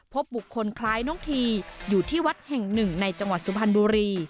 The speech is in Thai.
พบบุคคลคล้ายน้องทีอยู่ที่วัดแห่งหนึ่งในจังหวัดสุพรรณบุรี